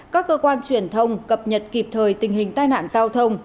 các cơ quan truyền thông cập nhật kịp thời tình hình tai nạn giao thông